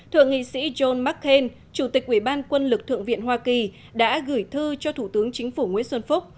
thượng nghị sĩ john mccain chủ tịch ủy ban quân lực thượng viện hoa kỳ đã gửi thư cho thủ tướng chính phủ nguyễn xuân phúc